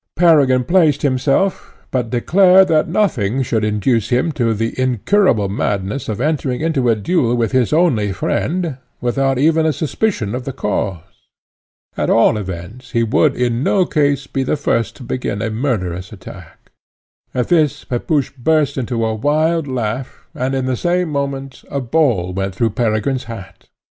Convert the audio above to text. Peregrine placed himself, but declared that nothing should induce him to the incurable madness of entering into a duel with his only friend, without even a suspicion of the cause. At all events he would in no case be the first to begin a murderous attack. At this Pepusch burst into a wild laugh, and in the same moment the ball went through Peregrine's hat.